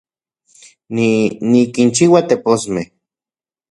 Ni, nikinchiua teposmej